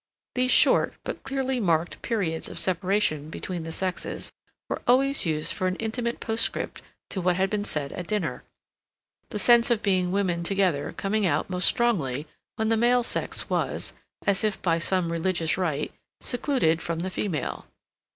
These short, but clearly marked, periods of separation between the sexes were always used for an intimate postscript to what had been said at dinner, the sense of being women together coming out most strongly when the male sex was, as if by some religious rite, secluded from the female.